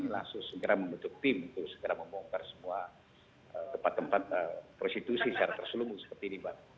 langsung segera membentuk tim untuk segera membongkar semua tempat tempat prostitusi secara terselubung seperti ini mbak